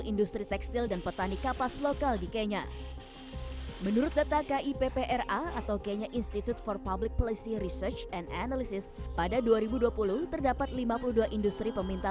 industri tekstil plastik menggunakan selama tiga lima ratus jenis teknologi yang berbeda